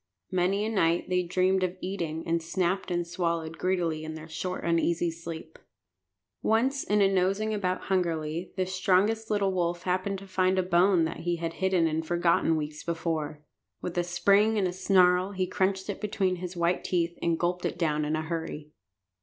Many a night they dreamed of eating, and snapped and swallowed greedily in their short, uneasy sleep. Once, in nosing about hungrily, the strongest little wolf happened to find a bone that he had hidden and forgotten weeks before. With a spring and a snarl he crunched it between his white teeth and gulped it down in a hurry.